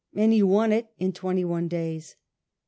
And he won it in twenty one days.